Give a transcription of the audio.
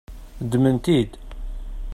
Ddmen-t-id.